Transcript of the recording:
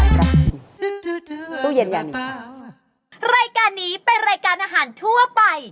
รายการนี้เป็นรายการอาหารทั่วไป